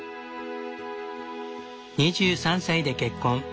２３歳で結婚。